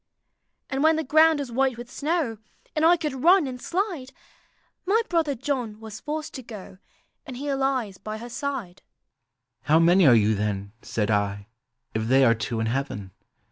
" And when the ground was white with snow. And I could run and slide. My brother John was forced to go, And he lies by her side." " How many are you. then," said I, " If they are two in heaven?